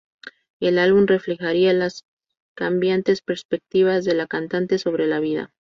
El álbum reflejaría las cambiantes perspectivas de la cantante sobre la vida.